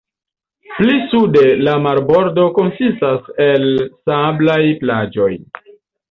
Pli sude la marbordo konsistas el sablaj plaĝoj.